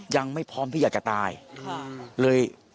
ยังไม่พร้อมที่อยากจะตายเลย